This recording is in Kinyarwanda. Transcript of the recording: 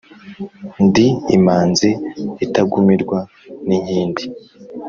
Ndi imanzi itagumirwa n’ inkindi